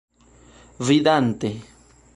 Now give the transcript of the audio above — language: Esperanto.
vidante